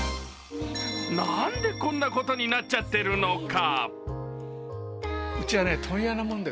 何でこんなことになっちゃってるのか。